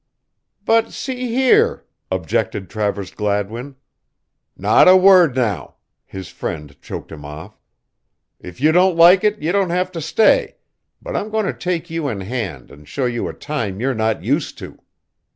"But see here" objected Travers Gladwin. "Not a word now," his friend choked him off. "If you don't like it you don't have to stay, but I'm going to take you in hand and show you a time you're not used to."